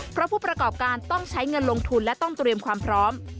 เพราะผู้ประกอบการต้องใช้เงินลงทุนและต้องเตรียมความพร้อม